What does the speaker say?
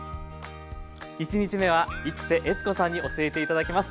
１日目は市瀬悦子さんに教えて頂きます。